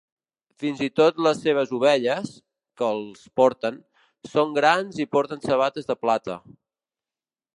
Fins i tot les seves ovelles, que els porten, són grans i porten sabates de plata.